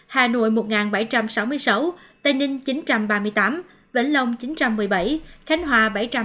hà nội một bảy trăm sáu mươi sáu tây ninh chín trăm ba mươi tám vĩnh long chín trăm một mươi bảy khánh hòa bảy trăm chín mươi ba